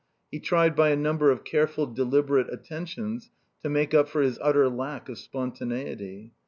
He tried by a number of careful, deliberate attentions to make up for his utter lack of spontaneity.